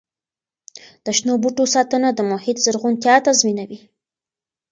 د شنو بوټو ساتنه د محیط زرغونتیا تضمینوي.